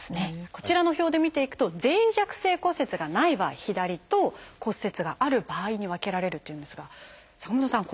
こちらの表で見ていくと脆弱性骨折がない場合左と骨折がある場合に分けられるというんですが坂本さん